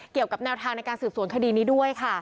เกี่ยวกับแนวทางในการสืบสวนคดีนี้ด้วยค่ะ